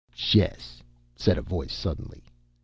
"Shess!" said a voice suddenly.